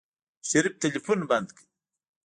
شريف ټلفون بند کړ.